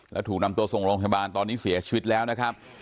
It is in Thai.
แล้วถูกนำตัวส่งโรงพยาบาลตอนนี้เสียชีวิตแล้วนะครับ